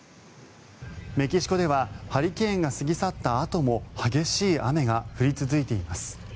メキシコではハリケーンが過ぎ去ったあとも激しい雨が降り続いています。